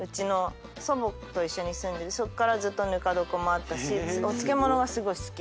祖母と一緒に住んでてそっからずっとぬか床もあったしお漬物がすごい好きで。